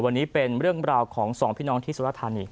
วันนี้เป็นเรื่องราวของสองพี่น้องที่สุรธานี